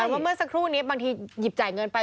แต่ว่าเมื่อสักครู่นี้บางทีหยิบจ่ายเงินไป